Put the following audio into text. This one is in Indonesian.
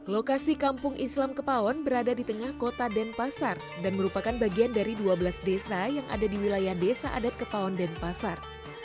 lokasi kampung islam kepawon berada di tengah kota denpasar dan merupakan bagian dari dua belas desa yang ada di wilayah desa adat kepaon denpasar